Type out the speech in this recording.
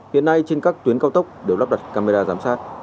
hiện nay trên các tuyến cao tốc đều lắp đặt camera giám sát